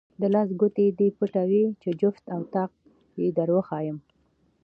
د لاس ګوتې دې پټوې چې جفت او طاق یې دروښایم.